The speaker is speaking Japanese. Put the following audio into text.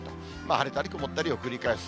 晴れたり曇ったりを繰り返す。